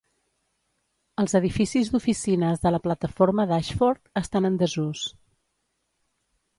Els edificis d'oficines de la plataforma d'Ashford estan en desús.